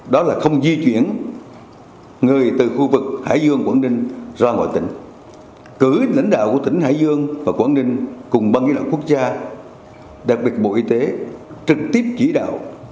đó là không di chuyển người từ khu vực hải dương quảng ninh ra ngoài tỉnh cử lãnh đạo của tỉnh hải dương và quảng ninh cùng ban chỉ đạo quốc gia đặc biệt bộ y tế trực tiếp chỉ đạo